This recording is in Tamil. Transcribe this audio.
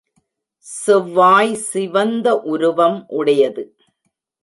செவ்வாய் சிவந்த உருவம் உடையது.